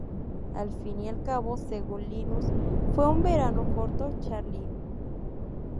Al fin y al cabo, según Linus, "Fue un verano corto, Charlie".